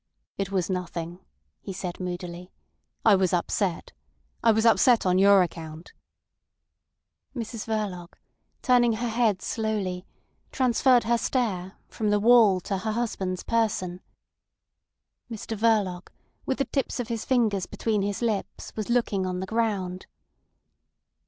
"It was nothing," he said moodily. "I was upset. I was upset on your account." Mrs Verloc, turning her head slowly, transferred her stare from the wall to her husband's person. Mr Verloc, with the tips of his fingers between his lips, was looking on the ground.